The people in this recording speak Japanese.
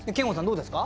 どうですか？